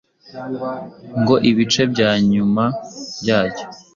ngo ibice bya nyuma byacyo